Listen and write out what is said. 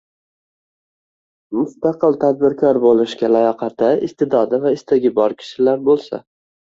mustaqil tadbirkor bo‘lishga layoqati, iste’dodi va istagi bor kishilar bo‘lsa